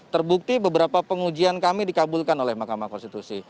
terbukti beberapa pengujian kami dikabulkan oleh mahkamah konstitusi